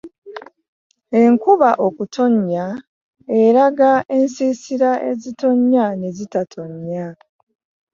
Enkuba okutonnya eraga ensisira ezitonnya nezitatonnya .